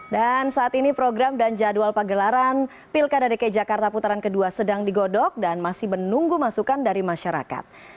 dan saat ini program dan jadwal pagelaran pilkada dki jakarta putaran kedua sedang digodok dan masih menunggu masukan dari masyarakat